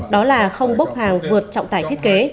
đó là không bốc hàng vượt trọng tải thiết kế